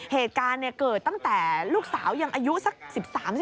เหตุการณ์เกิดตั้งแต่ลูกสาวยังอายุสัก๑๓๑